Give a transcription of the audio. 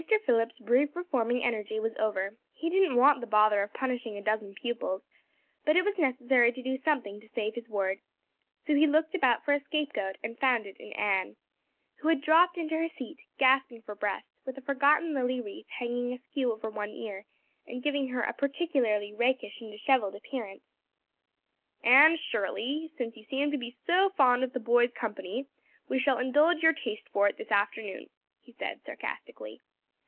Phillips's brief reforming energy was over; he didn't want the bother of punishing a dozen pupils; but it was necessary to do something to save his word, so he looked about for a scapegoat and found it in Anne, who had dropped into her seat, gasping for breath, with a forgotten lily wreath hanging askew over one ear and giving her a particularly rakish and disheveled appearance. "Anne Shirley, since you seem to be so fond of the boys' company we shall indulge your taste for it this afternoon," he said sarcastically.